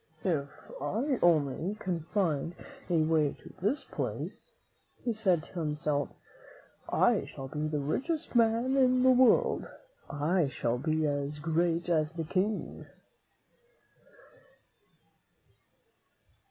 "If I only can find a way to this place," he said to himself, "I shall be the richest man in the world. I shall be as great as the great King."